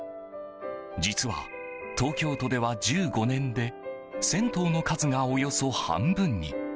実は、東京都では１５年で銭湯の数がおよそ半分に。